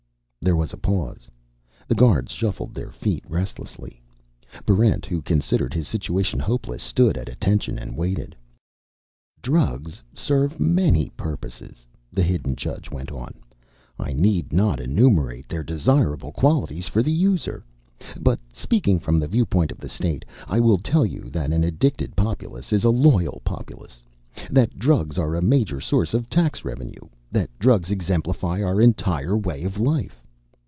There was a pause. The guards shuffled their feet restlessly. Barrent, who considered his situation hopeless, stood at attention and waited. "Drugs serve many purposes," the hidden judge went on. "I need not enumerate their desirable qualities for the user. But speaking from the viewpoint of the state, I will tell you that an addicted populace is a loyal populace; that drugs are a major source of tax revenue; that drugs exemplify our entire way of life.